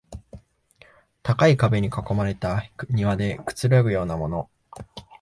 高い壁に囲まれた庭でくつろぐようなもの